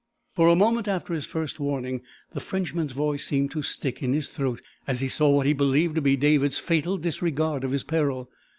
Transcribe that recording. For a moment after his first warning the Frenchman's voice seemed to stick in his throat as he saw what he believed to be David's fatal disregard of his peril.